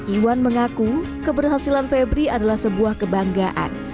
iwan mengaku keberhasilan febri adalah sebuah kebanggaan